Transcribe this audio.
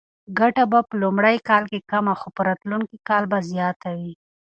ګټه به په لومړي کال کې کمه خو په راتلونکي کې به زیاته وي.